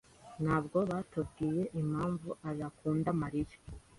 Ntabwo watubwiye impamvu adakunda Mariya.